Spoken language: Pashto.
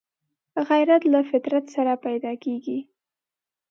غیرت له فطرت سره پیدا کېږي